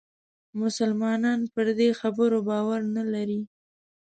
مسلمانان پر دې خبرو باور نه لري.